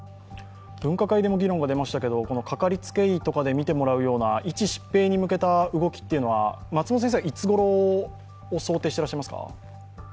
分科会でも議論が出ましたけれども、かかりつけ医とかで診てもらうような一疾病に向けた動きは、いつごろを想定されてますか？